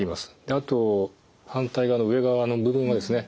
あと反対側の上側の部分はですね